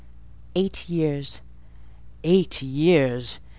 "Eight years." "Eight years!